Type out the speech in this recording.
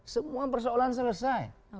semua persoalan selesai